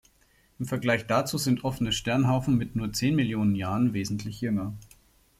Im Vergleich dazu sind offene Sternhaufen mit nur zehn Millionen Jahren wesentlich jünger.